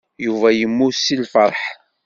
Yuba yemmut seg lfeṛḥ.